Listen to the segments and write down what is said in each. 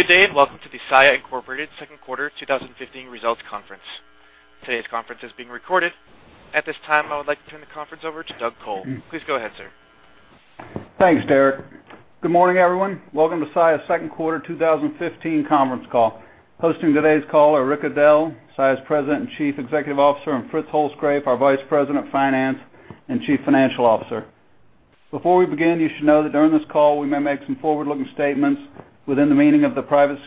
Good day, and welcome to the Saia Incorporated Second Quarter 2015 Results Conference. Today's conference is being recorded. At this time, I would like to turn the conference over to Doug Col. Please go ahead, sir. Thanks, Derek. Good morning, everyone. Welcome to Saia's Second Quarter 2015 conference call. Hosting today's call are Rick O'Dell, Saia's President and Chief Executive Officer, and Fritz Holzgrefe, our Vice President of Finance and Chief Financial Officer. Before we begin, you should know that during this call, we may make some forward-looking statements within the meaning of the Private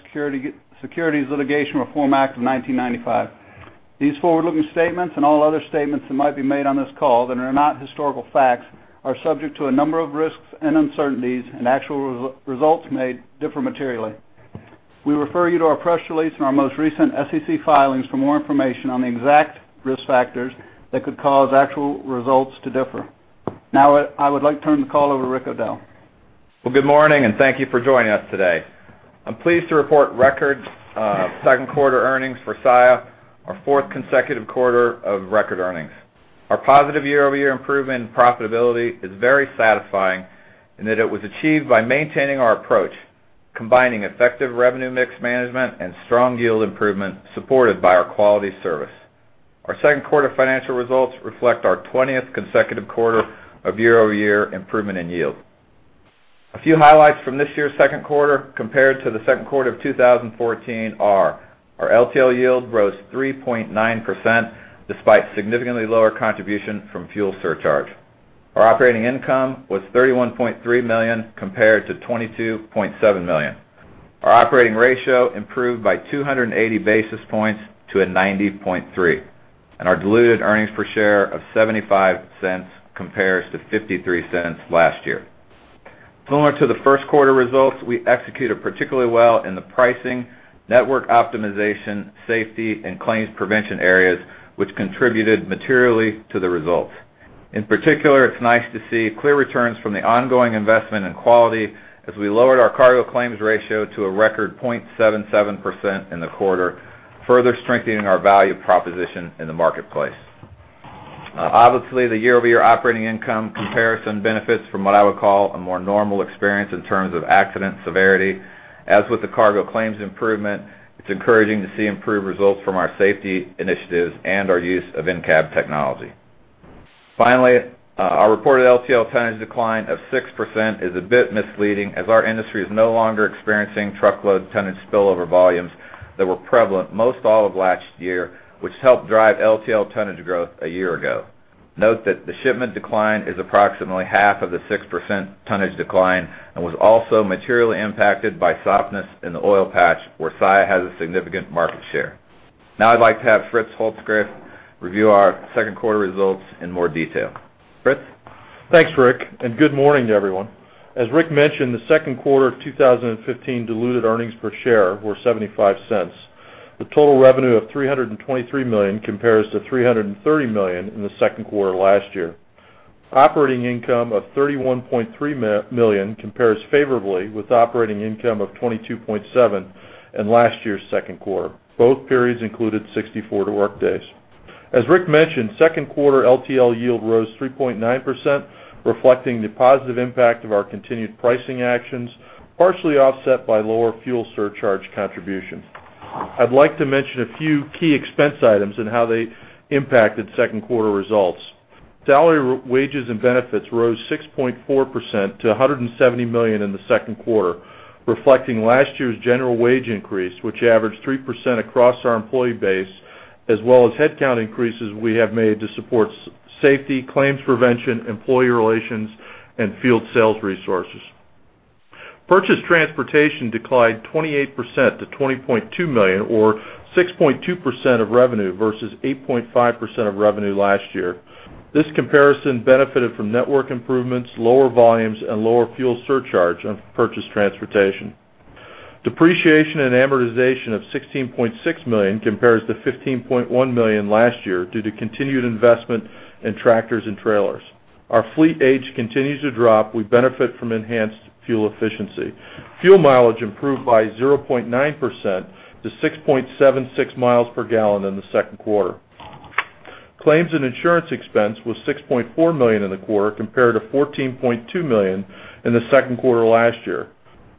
Securities Litigation Reform Act of 1995. These forward-looking statements, and all other statements that might be made on this call that are not historical facts, are subject to a number of risks and uncertainties, and actual results may differ materially. We refer you to our press release and our most recent SEC filings for more information on the exact risk factors that could cause actual results to differ. Now, I would like to turn the call over to Rick O'Dell. Well, good morning, and thank you for joining us today. I'm pleased to report record second quarter earnings for Saia, our fourth consecutive quarter of record earnings. Our positive year-over-year improvement in profitability is very satisfying in that it was achieved by maintaining our approach, combining effective revenue mix management and strong yield improvement, supported by our quality service. Our second quarter financial results reflect our 20th consecutive quarter of year-over-year improvement in yield. A few highlights from this year's second quarter compared to the second quarter of 2014 are: our LTL yield rose 3.9%, despite significantly lower contribution from fuel surcharge. Our operating income was $31.3 million, compared to $22.7 million. Our operating ratio improved by 280 basis points to 90.3, and our diluted earnings per share of $0.75 compares to $0.53 last year. Similar to the first quarter results, we executed particularly well in the pricing, network optimization, safety, and claims prevention areas, which contributed materially to the results. In particular, it's nice to see clear returns from the ongoing investment in quality as we lowered our cargo claims ratio to a record 0.77% in the quarter, further strengthening our value proposition in the marketplace. Obviously, the year-over-year operating income comparison benefits from what I would call a more normal experience in terms of accident severity. As with the cargo claims improvement, it's encouraging to see improved results from our safety initiatives and our use of in-cab technology. Finally, our reported LTL tonnage decline of 6% is a bit misleading, as our industry is no longer experiencing truckload tonnage spillover volumes that were prevalent most all of last year, which helped drive LTL tonnage growth a year ago. Note that the shipment decline is approximately half of the 6% tonnage decline and was also materially impacted by softness in the oil patch, where Saia has a significant market share. Now I'd like to have Fritz Holzgrefe review our second quarter results in more detail. Fritz? Thanks, Rick, and good morning to everyone. As Rick mentioned, the second quarter of 2015 diluted earnings per share were $0.75, with total revenue of $323 million compares to $330 million in the second quarter last year. Operating income of $31.3 million compares favorably with operating income of $22.7 million in last year's second quarter. Both periods included 64 work days. As Rick mentioned, second quarter LTL yield rose 3.9%, reflecting the positive impact of our continued pricing actions, partially offset by lower fuel surcharge contribution. I'd like to mention a few key expense items and how they impacted second quarter results. Salaries, wages, and benefits rose 6.4% to $170 million in the second quarter, reflecting last year's general wage increase, which averaged 3% across our employee base, as well as headcount increases we have made to support safety, claims prevention, employee relations, and field sales resources. Purchased transportation declined 28% to $20.2 million or 6.2% of revenue versus 8.5% of revenue last year. This comparison benefited from network improvements, lower volumes, and lower fuel surcharge on purchased transportation. Depreciation and amortization of $16.6 million compares to $15.1 million last year due to continued investment in tractors and trailers. Our fleet age continues to drop. We benefit from enhanced fuel efficiency. Fuel mileage improved by 0.9% to 6.76 miles per gallon in the second quarter. Claims and insurance expense was $6.4 million in the quarter, compared to $14.2 million in the second quarter last year,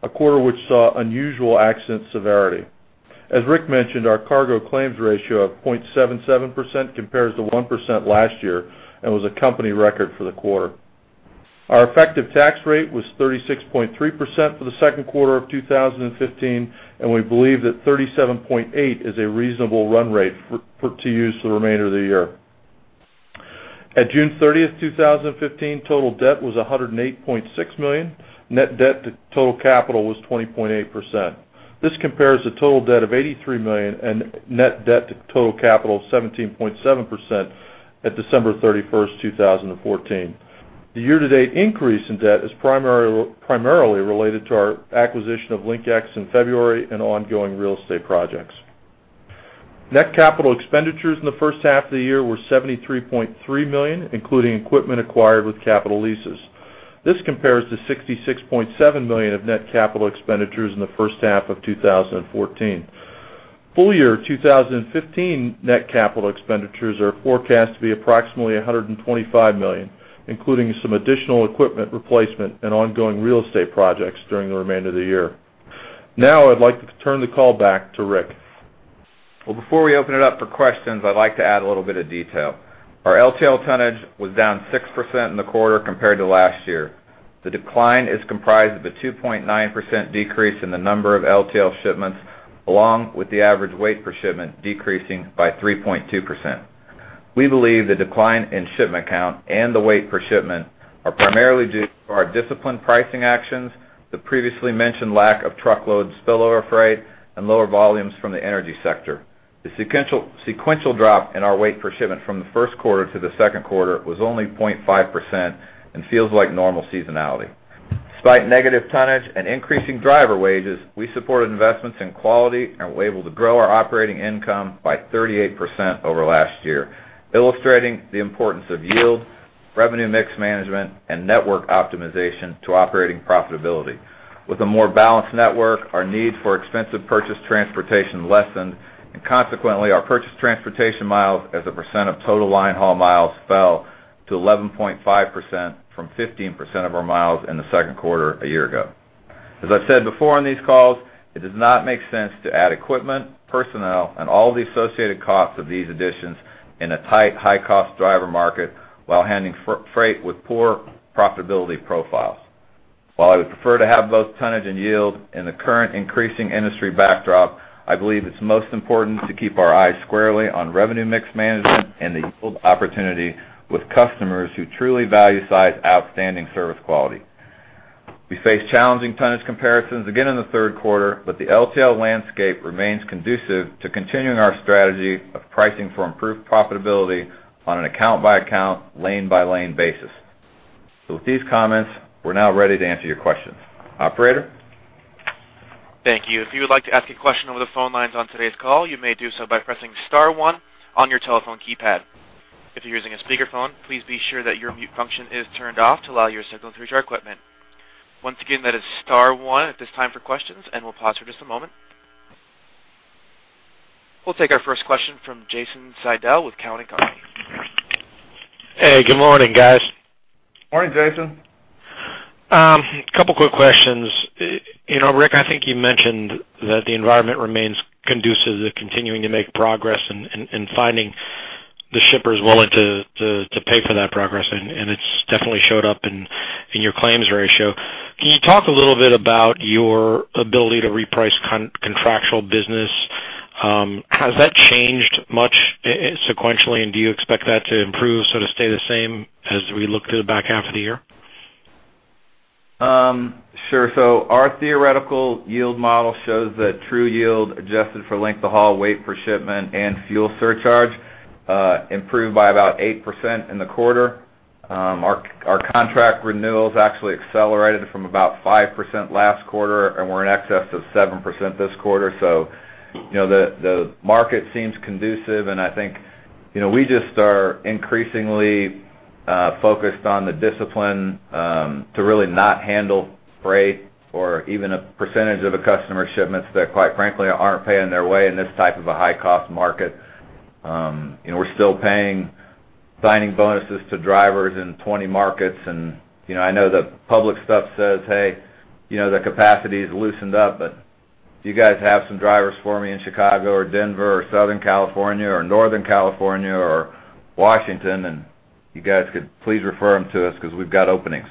a quarter which saw unusual accident severity. As Rick mentioned, our cargo claims ratio of 0.77% compares to 1% last year and was a company record for the quarter. Our effective tax rate was 36.3% for the second quarter of 2015, and we believe that 37.8% is a reasonable run rate for us to use for the remainder of the year. At June 30, 2015, total debt was $108.6 million. Net debt to total capital was 20.8%. This compares to total debt of $83 million and net debt to total capital of 17.7% at December 31, 2014. The year-to-date increase in debt is primarily related to our acquisition of LinkEx in February and ongoing real estate projects. Net capital expenditures in the first half of the year were $73.3 million, including equipment acquired with capital leases. This compares to $66.7 million of net capital expenditures in the first half of 2014. Full year 2015 net capital expenditures are forecast to be approximately $125 million, including some additional equipment replacement and ongoing real estate projects during the remainder of the year. Now I'd like to turn the call back to Rick. Well, before we open it up for questions, I'd like to add a little bit of detail. Our LTL tonnage was down 6% in the quarter compared to last year. The decline is comprised of a 2.9% decrease in the number of LTL shipments, along with the average weight per shipment decreasing by 3.2%. We believe the decline in shipment count and the weight per shipment are primarily due to our disciplined pricing actions, the previously mentioned lack of truckload spillover freight, and lower volumes from the energy sector. The sequential drop in our weight per shipment from the first quarter to the second quarter was only 0.5% and feels like normal seasonality. Despite negative tonnage and increasing driver wages, we supported investments in quality and were able to grow our operating income by 38% over last year, illustrating the importance of yield, revenue mix management, and network optimization to operating profitability. With a more balanced network, our need for expensive purchased transportation lessened, and consequently, our purchased transportation miles as a percent of total line haul miles fell to 11.5% from 15% of our miles in the second quarter a year ago. As I've said before on these calls, it does not make sense to add equipment, personnel, and all the associated costs of these additions in a tight, high-cost driver market while handling freight with poor profitability profiles. While I would prefer to have both tonnage and yield in the current increasing industry backdrop, I believe it's most important to keep our eyes squarely on revenue mix management and the yield opportunity with customers who truly value Saia, outstanding service quality. We face challenging tonnage comparisons again in the third quarter, but the LTL landscape remains conducive to continuing our strategy of pricing for improved profitability on an account-by-account, lane-by-lane basis. So with these comments, we're now ready to answer your questions. Operator? Thank you. If you would like to ask a question over the phone lines on today's call, you may do so by pressing star one on your telephone keypad. If you're using a speakerphone, please be sure that your mute function is turned off to allow your signal through to our equipment. Once again, that is star one at this time for questions, and we'll pause for just a moment. We'll take our first question from Jason Seidl with Cowen and Company. Hey, good morning, guys. Morning, Jason. Couple quick questions. You know, Rick, I think you mentioned that the environment remains conducive to continuing to make progress and finding the shippers willing to pay for that progress, and it's definitely showed up in your claims ratio. Can you talk a little bit about your ability to reprice contractual business? Has that changed much sequentially, and do you expect that to improve, sort of stay the same as we look to the back half of the year? Sure. So our theoretical yield model shows that true yield, adjusted for length of haul, weight per shipment, and fuel surcharge, improved by about 8% in the quarter. Our contract renewals actually accelerated from about 5% last quarter, and we're in excess of 7% this quarter. So, you know, the market seems conducive, and I think, you know, we just are increasingly focused on the discipline to really not handle freight or even a percentage of the customer shipments that, quite frankly, aren't paying their way in this type of a high-cost market. And we're still paying signing bonuses to drivers in 20 markets, and, you know, I know the public stuff says, "Hey, you know, the capacity has loosened up," but if you guys have some drivers for me in Chicago or Denver or Southern California or Northern California or Washington, and you guys could please refer them to us 'cause we've got openings.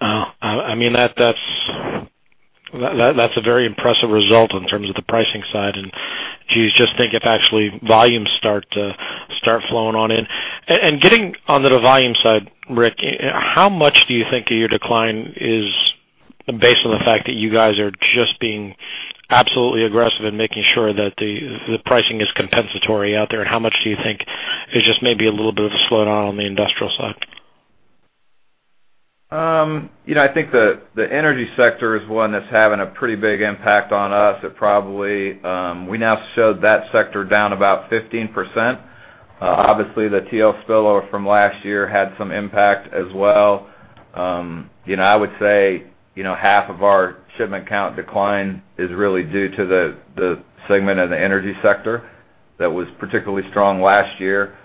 I mean, that's a very impressive result in terms of the pricing side. Geez, just think if actually volumes start flowing on in. And getting onto the volume side, Rick, how much do you think of your decline is based on the fact that you guys are just being absolutely aggressive in making sure that the pricing is compensatory out there? And how much do you think is just maybe a little bit of a slowdown on the industrial side? You know, I think the energy sector is one that's having a pretty big impact on us. It probably, we now showed that sector down about 15%. Obviously, the TL spillover from last year had some impact as well. You know, I would say, you know, half of our shipment count decline is really due to the segment of the energy sector that was particularly strong last year.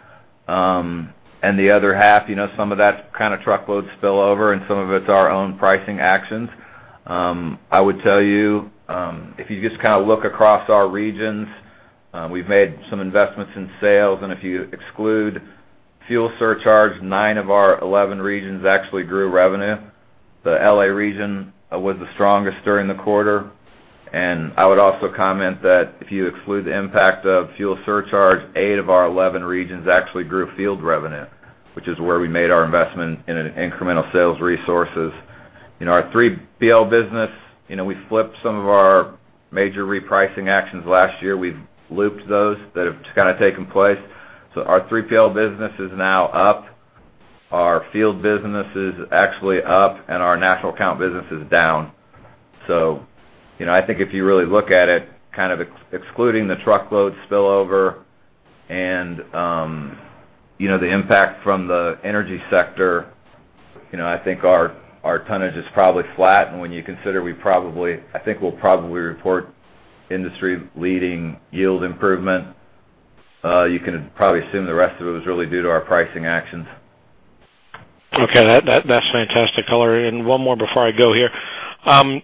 And the other half, you know, some of that's kind of truckload spillover, and some of it's our own pricing actions. I would tell you, if you just kind of look across our regions, we've made some investments in sales, and if you exclude fuel surcharge, nine of our 11 regions actually grew revenue. The L.A. region was the strongest during the quarter, and I would also comment that if you exclude the impact of fuel surcharge, 8 of our 11 regions actually grew field revenue, which is where we made our investment in an incremental sales resources. You know, our 3PL business, you know, we flipped some of our major repricing actions last year. We've looped those that have kind of taken place. So our 3PL business is now up, our field business is actually up, and our national account business is down. So, you know, I think if you really look at it, kind of excluding the truckload spillover and, you know, the impact from the energy sector. You know, I think our, our tonnage is probably flat, and when you consider we probably-- I think we'll probably report industry-leading yield improvement. You can probably assume the rest of it was really due to our pricing actions. Okay, that's fantastic color. And one more before I go here. Just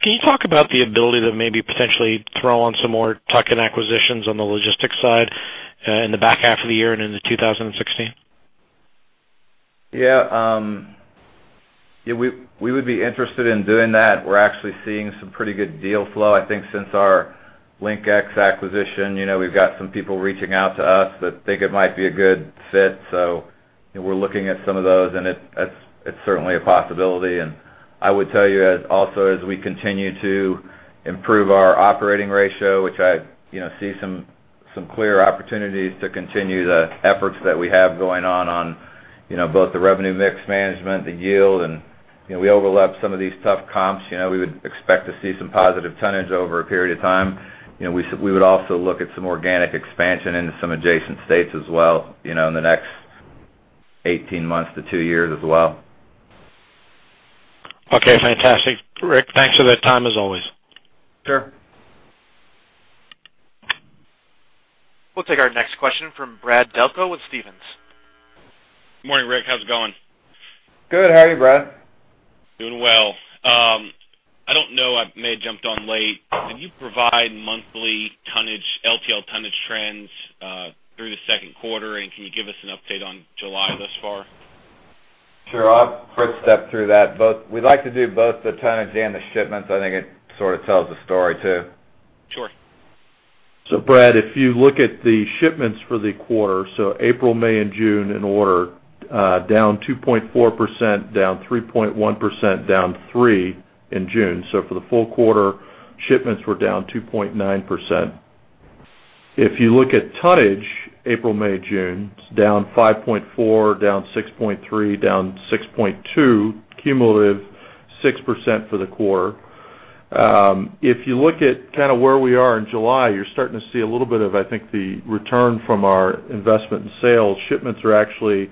can you talk about the ability to maybe potentially throw on some more tuck-in acquisitions on the logistics side, in the back half of the year and into 2016? Yeah, yeah, we would be interested in doing that. We're actually seeing some pretty good deal flow, I think, since our LinkEx acquisition. You know, we've got some people reaching out to us that think it might be a good fit. So we're looking at some of those, and it's certainly a possibility. And I would tell you, also, as we continue to improve our operating ratio, which I, you know, see some clear opportunities to continue the efforts that we have going on, on, you know, both the revenue mix management, the yield, and, you know, we overlap some of these tough comps. You know, we would expect to see some positive tonnage over a period of time. You know, we would also look at some organic expansion into some adjacent states as well, you know, in the next 18 months to two years as well. Okay, fantastic. Rick, thanks for the time, as always. Sure. We'll take our next question from Brad Delco with Stephens. Good morning, Rick. How's it going? Good. How are you, Brad? Doing well. I don't know, I may have jumped on late. Can you provide monthly tonnage, LTL tonnage trends, through the second quarter? And can you give us an update on July thus far? Sure. I'll quick step through that, but we'd like to do both the tonnage and the shipments. I think it sort of tells the story, too. Sure. Brad, if you look at the shipments for the quarter, April, May and June in order, down 2.4%, down 3.1%, down 3% in June. For the full quarter, shipments were down 2.9%. If you look at tonnage, April, May, June, it's down 5.4%, down 6.3%, down 6.2%, cumulative 6% for the quarter. If you look at kind of where we are in July, you're starting to see a little bit of, I think, the return from our investment in sales. Shipments are actually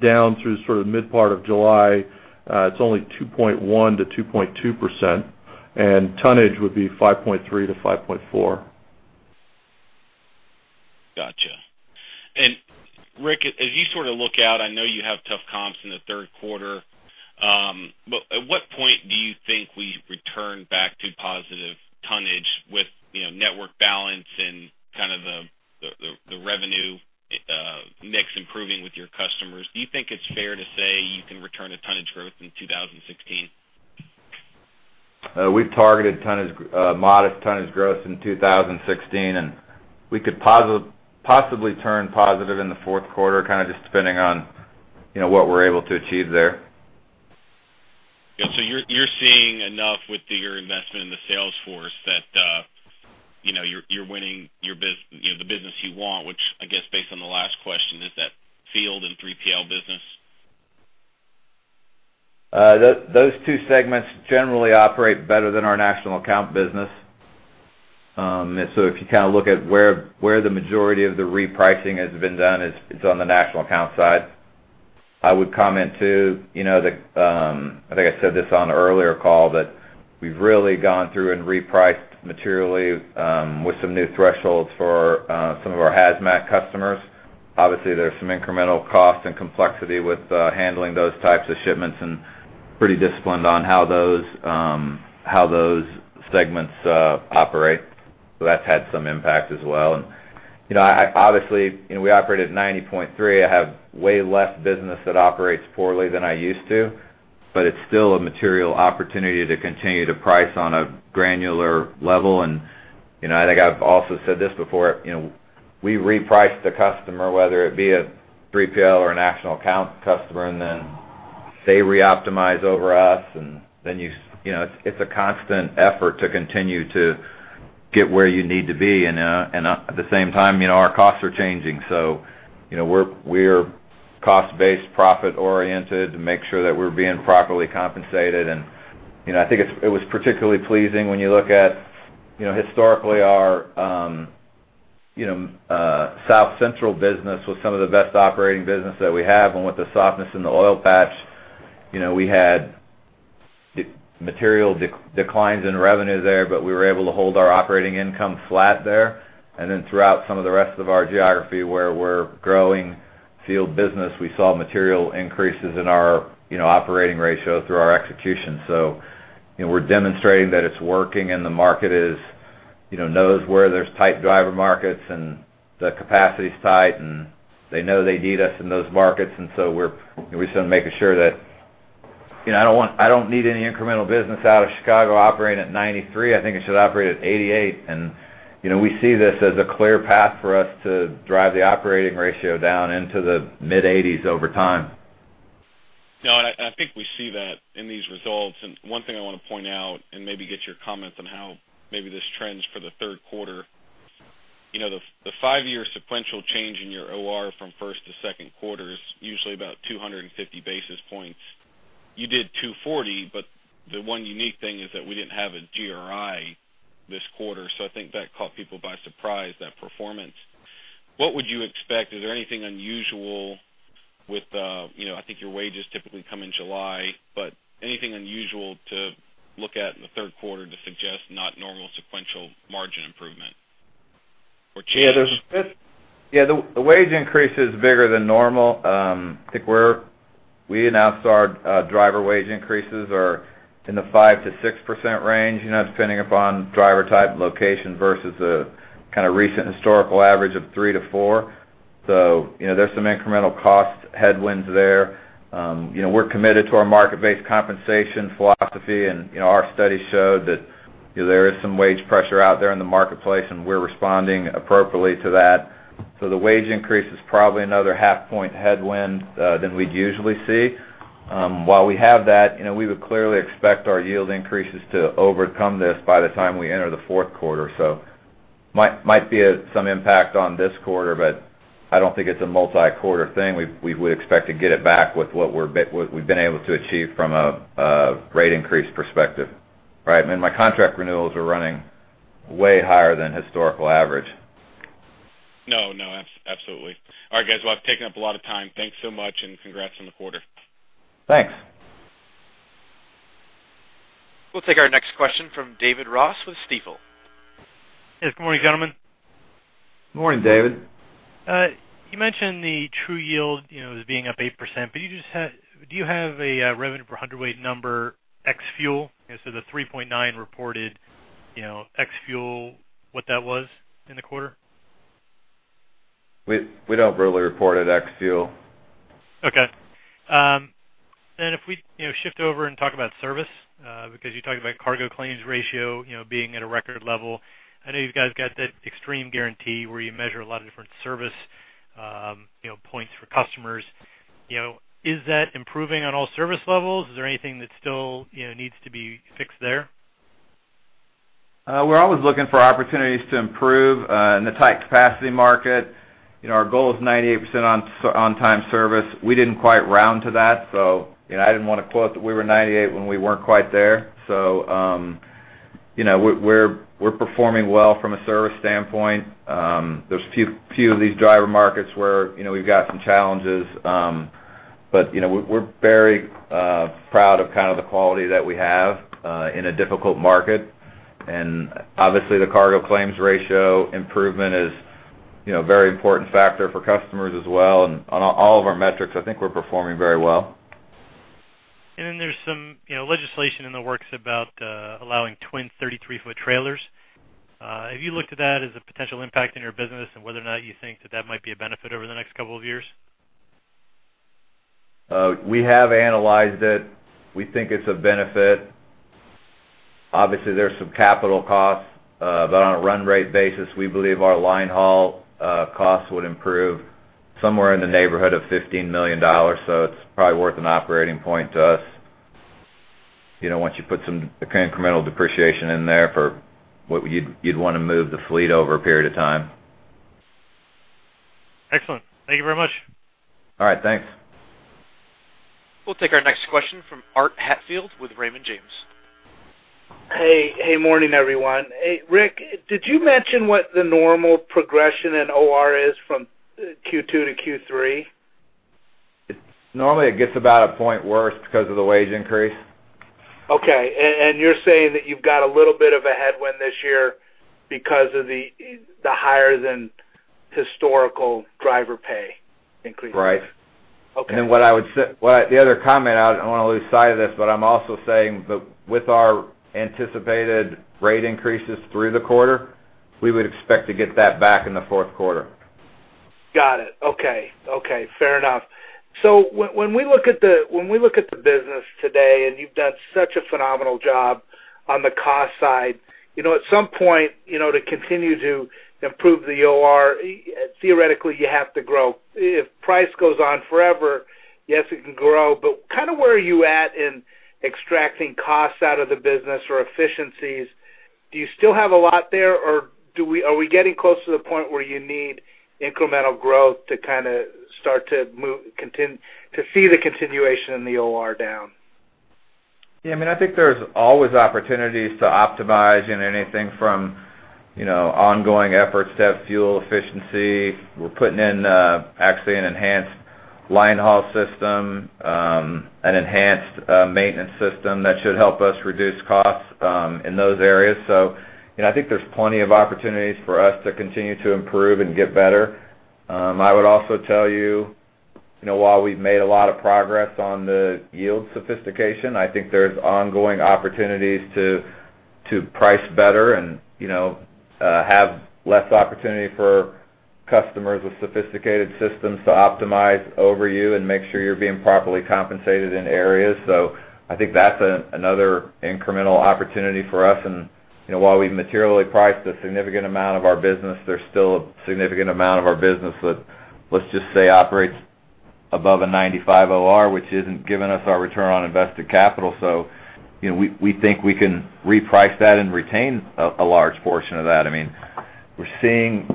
down through sort of mid part of July. It's only 2.1%-2.2%, and tonnage would be 5.3%-5.4%. Gotcha. And Rick, as you sort of look out, I know you have tough comps in the third quarter, but at what point do you think we return back to positive tonnage with, you know, network balance and kind of the revenue mix improving with your customers? Do you think it's fair to say you can return to tonnage growth in 2016? We've targeted tonnage, modest tonnage growth in 2016, and we could possibly turn positive in the fourth quarter, kind of just depending on, you know, what we're able to achieve there. Yeah. So you're seeing enough with your investment in the sales force that, you know, you're winning the business you want, which I guess, based on the last question, is that field and 3PL business? Those two segments generally operate better than our national account business. So if you kind of look at where the majority of the repricing has been done, it's on the national account side. I would comment, too, you know, I think I said this on an earlier call, that we've really gone through and repriced materially with some new thresholds for some of our hazmat customers. Obviously, there's some incremental cost and complexity with handling those types of shipments and pretty disciplined on how those segments operate. So that's had some impact as well. You know, obviously, you know, we operate at 90.3. I have way less business that operates poorly than I used to, but it's still a material opportunity to continue to price on a granular level. You know, I think I've also said this before. You know, we reprice the customer, whether it be a 3PL or a national account customer, and then they reoptimize over us, and then you... You know, it's a constant effort to continue to get where you need to be. And at the same time, you know, our costs are changing. So, you know, we're cost-based, profit-oriented, to make sure that we're being properly compensated. And, you know, I think it was particularly pleasing when you look at, you know, historically, our South Central business was some of the best operating business that we have, and with the softness in the oil patch, you know, we had material declines in revenue there, but we were able to hold our operating income flat there. And then throughout some of the rest of our geography, where we're growing yield business, we saw material increases in our, you know, operating ratio through our execution. So, you know, we're demonstrating that it's working and the market is, you know, knows where there's tight driver markets and the capacity's tight, and they know they need us in those markets. And so we're sort of making sure that, you know, I don't need any incremental business out of Chicago, operating at 93. I think it should operate at 88. And, you know, we see this as a clear path for us to drive the operating ratio down into the mid-80s over time. No, and I, and I think we see that in these results. And one thing I want to point out and maybe get your comments on how maybe this trends for the third quarter. You know, the, the five-year sequential change in your OR from first to second quarter is usually about 250 basis points. You did 240, but the one unique thing is that we didn't have a GRI this quarter, so I think that caught people by surprise, that performance. What would you expect? Is there anything unusual with the, you know, I think your wages typically come in July, but anything unusual to look at in the third quarter to suggest not normal sequential margin improvement or change? Yeah, there's yeah, the wage increase is bigger than normal. I think we announced our driver wage increases are in the 5%-6% range, you know, depending upon driver type, location, versus the kind of recent historical average of 3%-4%. So you know, there's some incremental cost headwinds there. You know, we're committed to our market-based compensation philosophy, and, you know, our study showed that, you know, there is some wage pressure out there in the marketplace, and we're responding appropriately to that. So the wage increase is probably another half point headwind than we'd usually see. While we have that, you know, we would clearly expect our yield increases to overcome this by the time we enter the fourth quarter. So might be some impact on this quarter, but I don't think it's a multi-quarter thing. We would expect to get it back with what we've been able to achieve from a rate increase perspective, right? I mean, my contract renewals are running way higher than historical average. No, no, absolutely. All right, guys, well, I've taken up a lot of time. Thanks so much, and congrats on the quarter. Thanks. We'll take our next question from David Ross with Stifel. Yes, good morning, gentlemen. Good morning, David. You mentioned the true yield, you know, as being up 8%, but you just had... Do you have a revenue per hundredweight number ex-fuel? And so the 3.9 reported, you know, ex-fuel, what that was in the quarter? We don't really report it ex-fuel. Okay. Then if we, you know, shift over and talk about service, because you talked about cargo claims ratio, you know, being at a record level. I know you guys got that Xtreme Guarantee where you measure a lot of different service, you know, points for customers. You know, is that improving on all service levels? Is there anything that still, you know, needs to be fixed there? We're always looking for opportunities to improve in the tight capacity market. You know, our goal is 98% on time service. We didn't quite round to that, so, you know, I didn't want to quote that we were 98 when we weren't quite there. So, you know, we're performing well from a service standpoint. There's a few of these driver markets where, you know, we've got some challenges, but, you know, we're very proud of kind of the quality that we have in a difficult market. And obviously, the cargo claims ratio improvement is, you know, a very important factor for customers as well. And on all of our metrics, I think we're performing very well. And then there's some, you know, legislation in the works about allowing twin 33-foot trailers. Have you looked at that as a potential impact in your business and whether or not you think that that might be a benefit over the next couple of years? We have analyzed it. We think it's a benefit. Obviously, there's some capital costs, but on a run rate basis, we believe our line haul costs would improve somewhere in the neighborhood of $15 million. So it's probably worth an operating point to us. You know, once you put some incremental depreciation in there for what you'd want to move the fleet over a period of time. Excellent. Thank you very much. All right. Thanks. We'll take our next question from Art Hatfield with Raymond James. Hey, hey, morning, everyone. Hey, Rick, did you mention what the normal progression in OR is from Q2 to Q3? Normally, it gets about a point worse because of the wage increase. Okay, and, and you're saying that you've got a little bit of a headwind this year because of the, the higher than historical driver pay increases? Right. Okay. What I would say... Well, the other comment, I don't want to lose sight of this, but I'm also saying that with our anticipated rate increases through the quarter, we would expect to get that back in the fourth quarter. Got it. Okay, okay, fair enough. So when we look at the business today, and you've done such a phenomenal job on the cost side, you know, at some point, you know, to continue to improve the OR, theoretically, you have to grow. If price goes on forever, yes, it can grow, but kind of where are you at in extracting costs out of the business or efficiencies? Do you still have a lot there, or are we getting close to the point where you need incremental growth to kind of start to move, to see the continuation in the OR down? Yeah, I mean, I think there's always opportunities to optimize in anything from, you know, ongoing efforts to have fuel efficiency. We're putting in, actually an enhanced line haul system, an enhanced maintenance system that should help us reduce costs in those areas. So, you know, I think there's plenty of opportunities for us to continue to improve and get better. I would also tell you, you know, while we've made a lot of progress on the yield sophistication, I think there's ongoing opportunities to price better and, you know, have less opportunity for customers with sophisticated systems to optimize over you and make sure you're being properly compensated in areas. So I think that's another incremental opportunity for us. You know, while we've materially priced a significant amount of our business, there's still a significant amount of our business that, let's just say, operates above a 95 OR, which isn't giving us our return on invested capital. So, you know, we think we can reprice that and retain a large portion of that. I mean, we're seeing,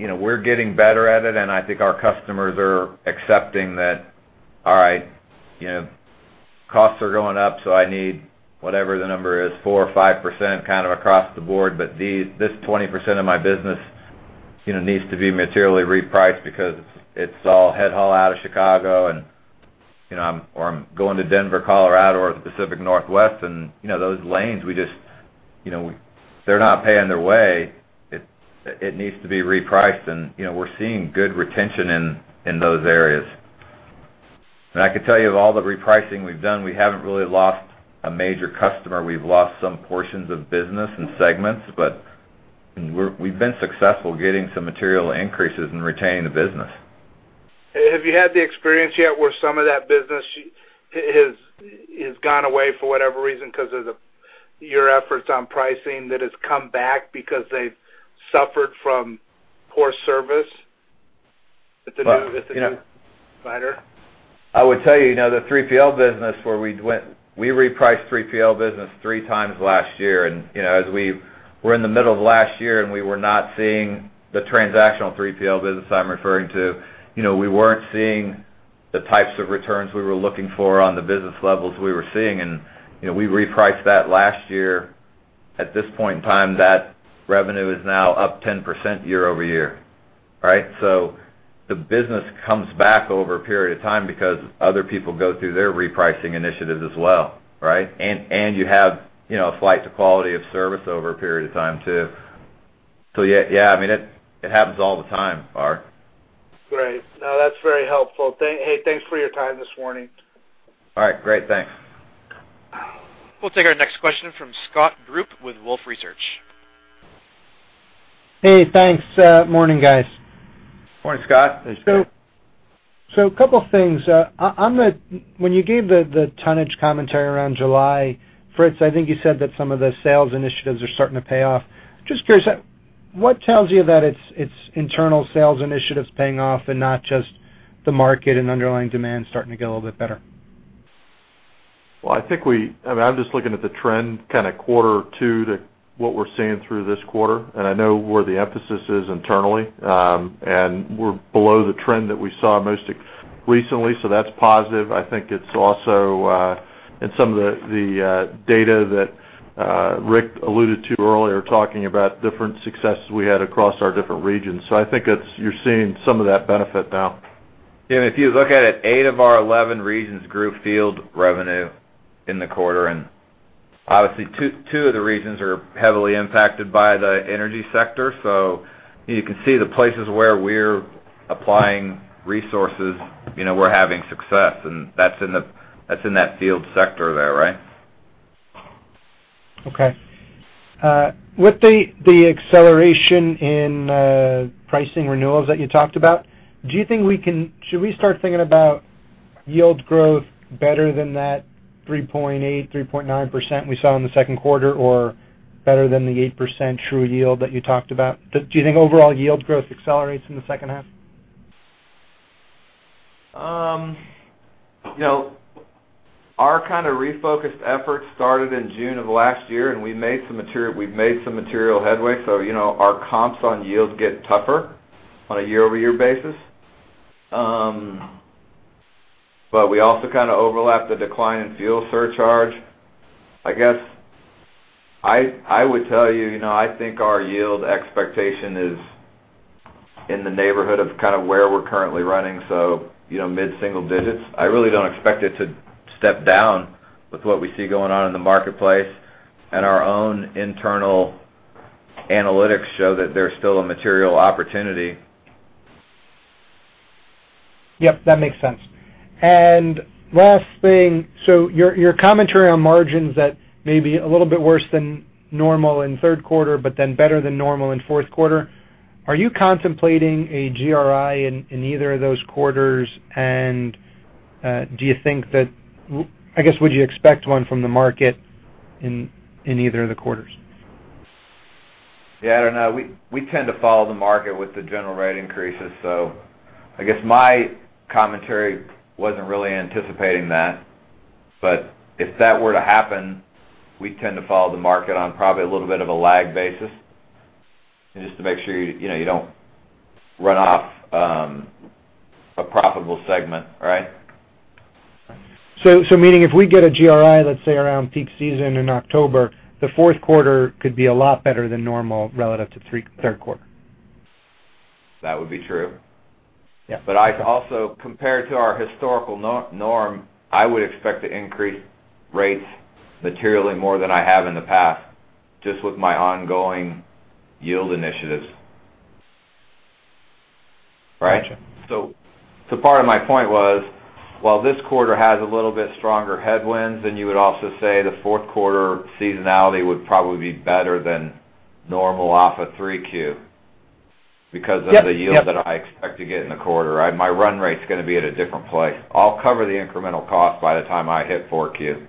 you know, we're getting better at it, and I think our customers are accepting that, all right, you know, costs are going up, so I need whatever the number is, 4% or 5% kind of across the board. But this 20% of my business, you know, needs to be materially repriced because it's all head haul out of Chicago, and, you know, or I'm going to Denver, Colorado, or the Pacific Northwest, and, you know, those lanes, we just, you know, they're not paying their way. It needs to be repriced, and, you know, we're seeing good retention in those areas. And I can tell you, of all the repricing we've done, we haven't really lost a major customer. We've lost some portions of business and segments, but we've been successful getting some material increases and retaining the business. Have you had the experience yet where some of that business has gone away for whatever reason, 'cause of your efforts on pricing, that has come back because they've suffered from poor service with the new- Well, you know- -provider? I would tell you, you know, the 3PL business, where we went, we repriced 3PL business three times last year. And, you know, as we were in the middle of last year, and we were not seeing the transactional 3PL business I'm referring to, you know, we weren't seeing the types of returns we were looking for on the business levels we were seeing, and, you know, we repriced that last year. At this point in time, that revenue is now up 10% year-over-year, right? So the business comes back over a period of time because other people go through their repricing initiatives as well, right? And, and you have, you know, a flight to quality of service over a period of time, too. So yeah, yeah, I mean, it, it happens all the time, Art. Great. No, that's very helpful. Hey, thanks for your time this morning. All right, great. Thanks. We'll take our next question from Scott Group with Wolfe Research. Hey, thanks. Morning, guys. Morning, Scott. Hey, Scott. So, a couple of things. On when you gave the tonnage commentary around July, Fritz, I think you said that some of the sales initiatives are starting to pay off. Just curious, what tells you that it's internal sales initiatives paying off and not just the market and underlying demand starting to get a little bit better? Well, I think we... I mean, I'm just looking at the trend, kind of quarter two, to what we're seeing through this quarter, and I know where the emphasis is internally. And we're below the trend that we saw most recently, so that's positive. I think it's also in some of the data that Rick alluded to earlier, talking about different successes we had across our different regions. So I think it's, you're seeing some of that benefit now. And if you look at it, 8 of our 11 regions grew field revenue in the quarter, and obviously, 2, 2 of the regions are heavily impacted by the energy sector. So you can see the places where we're applying resources, you know, we're having success, and that's in the—that's in that yield sector there, right? Okay. With the acceleration in pricing renewals that you talked about, do you think we can, should we start thinking about yield growth better than that 3.8%-3.9% we saw in the second quarter, or better than the 8% true yield that you talked about? Do you think overall yield growth accelerates in the second half? You know, our kind of refocused efforts started in June of last year, and we've made some material headway, so, you know, our comps on yields get tougher on a year-over-year basis. But we also kind of overlapped the decline in fuel surcharge. I guess I, I would tell you, you know, I think our yield expectation is in the neighborhood of kind of where we're currently running, so, you know, mid-single digits. I really don't expect it to step down with what we see going on in the marketplace, and our own internal analytics show that there's still a material opportunity. Yep, that makes sense. And last thing, so your commentary on margins that may be a little bit worse than normal in the third quarter, but then better than normal in fourth quarter, are you contemplating a GRI in either of those quarters? And do you think that... I guess, would you expect one from the market in either of the quarters? Yeah, I don't know. We tend to follow the market with the general rate increases, so I guess my commentary wasn't really anticipating that. But if that were to happen, we tend to follow the market on probably a little bit of a lag basis, just to make sure, you know, you don't run off a profitable segment, right? So, meaning, if we get a GRI, let's say, around peak season in October, the fourth quarter could be a lot better than normal relative to the third quarter. That would be true. Yeah. But I also, compared to our historical norm, I would expect to increase rates materially more than I have in the past, just with my ongoing yield initiatives. Right? Gotcha. So part of my point was, while this quarter has a little bit stronger headwinds, then you would also say the fourth quarter seasonality would probably be better than normal off of 3Q. Yep, yep. Because of the yield that I expect to get in the quarter, right? My run rate's going to be at a different place. I'll cover the incremental cost by the time I hit 4Q.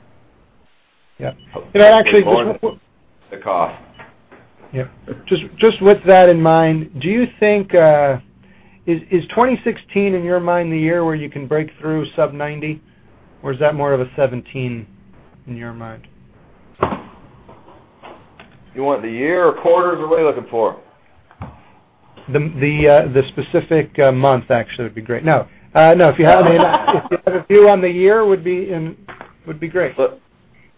Yeah. And actually, just- The cost. Yeah. Just, just with that in mind, do you think—Is, is 2016 in your mind, the year where you can break through sub 90? Or is that more of a 2017 in your mind? You want the year or quarters, or what are you looking for? The specific month actually would be great. No, if you have a view on the year, would be great. Look,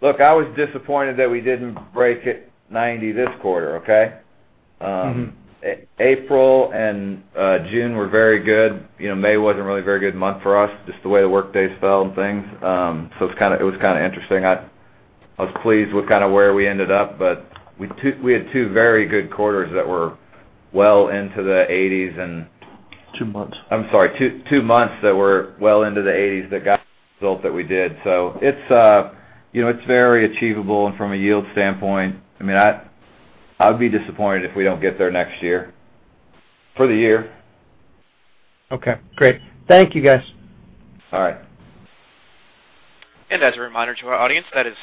look, I was disappointed that we didn't break it 90 this quarter, okay? April and June were very good. You know, May wasn't really a very good month for us, just the way the workdays fell and things. So it was kind of interesting. I was pleased with kind of where we ended up, but we had two very good quarters that were well into the eighties and- Two months. I'm sorry, 2, 2 months that were well into the 80s that got the result that we did. So it's, you know, it's very achievable. And from a yield standpoint, I mean, I would be disappointed if we don't get there next year, for the year. Okay, great. Thank you, guys. All right. As a reminder to our audience, that is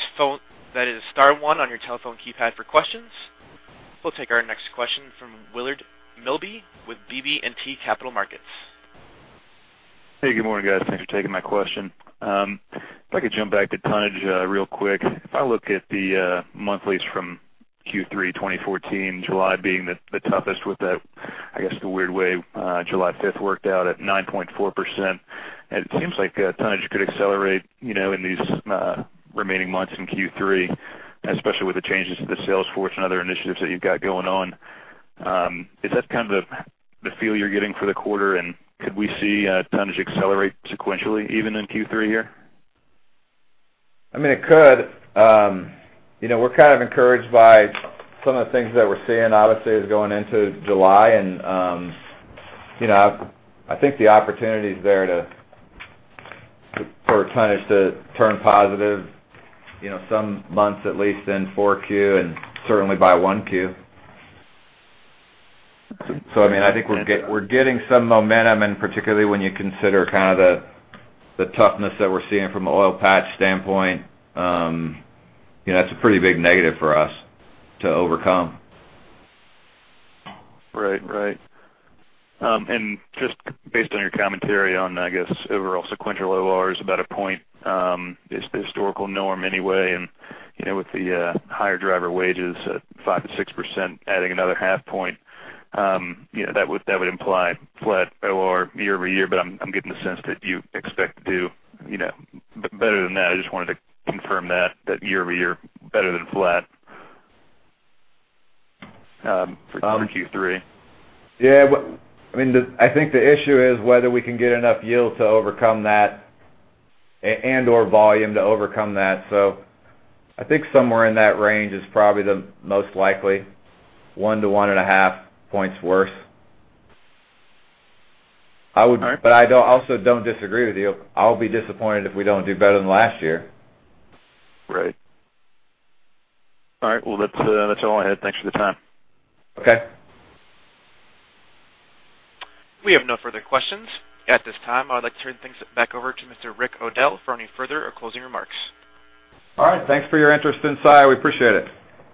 star one on your telephone keypad for questions. We'll take our next question from Willard Milby, with BB&T Capital Markets. Hey, good morning, guys. Thanks for taking my question. If I could jump back to tonnage real quick. If I look at the monthlies from Q3 2014, July 5 being the toughest with the, I guess, the weird way July 5 worked out at 9.4%. And it seems like tonnage could accelerate, you know, in these remaining months in Q3, especially with the changes to the sales force and other initiatives that you've got going on. Is that kind of the feel you're getting for the quarter? And could we see tonnage accelerate sequentially, even in Q3 here? I mean, it could. You know, we're kind of encouraged by some of the things that we're seeing, obviously as going into July and, you know, I think the opportunity is there to, for tonnage to turn positive, you know, some months, at least in 4Q and certainly by 1Q. So I mean, I think we're getting some momentum, and particularly when you consider kind of the toughness that we're seeing from an oil patch standpoint, you know, that's a pretty big negative for us to overcome. Right. Right. And just based on your commentary on, I guess, overall sequential ORs, about a point, is the historical norm anyway. And, you know, with the higher driver wages at 5%-6%, adding another half point, you know, that would imply flat OR year-over-year. But I'm getting the sense that you expect to do, you know, better than that. I just wanted to confirm that, year-over-year, better than flat, for Q3. Yeah. I mean, I think the issue is whether we can get enough yield to overcome that and/or volume to overcome that. So I think somewhere in that range is probably the most likely, 1-1.5 points worse. All right. But I don't also don't disagree with you. I'll be disappointed if we don't do better than last year. Right. All right, well, that's all I had. Thanks for the time. Okay. We have no further questions. At this time, I'd like to turn things back over to Mr. Rick O'Dell for any further or closing remarks. All right. Thanks for your interest in Saia. We appreciate it.